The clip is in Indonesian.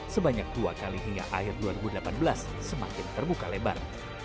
sebanyak dua kali hingga akhir dua ribu delapan belas semakin terbuka lebar